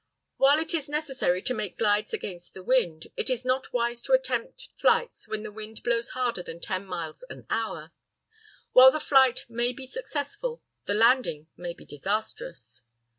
] While it is necessary to make glides against the wind, it is not wise to attempt flights when the wind blows harder than 10 miles an hour. While the flight may be successful, the landing may be disastrous.